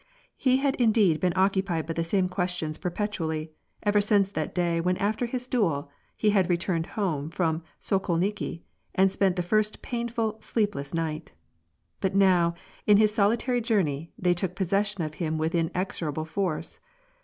He had in deed been occupied by the same questions perpetually ever since that day when after his duel he had returned home from Sokolniki, and spent the first painful, sleepless night; but now, in his solitary journey, they took possession of him with inexorable force.